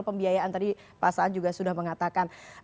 pembiayaan tadi pak saan juga sudah mengatakan